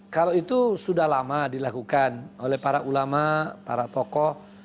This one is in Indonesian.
kalau itu sudah lama dilakukan oleh para ulama para tokoh